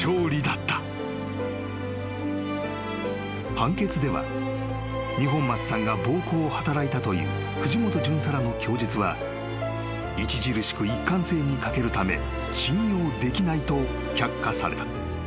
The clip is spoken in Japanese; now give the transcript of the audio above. ［判決では二本松さんが暴行を働いたという藤本巡査らの供述は著しく一貫性に欠けるため信用できないと却下された］